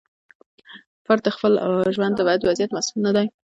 فرد د خپل ژوند د بد وضعیت مسوول نه دی.